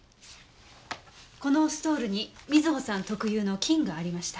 このストールに美津保さん特有の菌がありました。